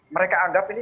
mereka anggap ini